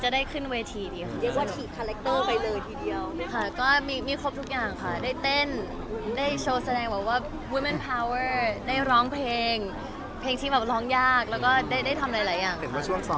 ได้ร้องเพลงเพลงที่ร้องยากแล้วก็ได้ทำหลายอย่าง